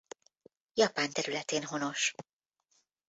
Japán területén honos.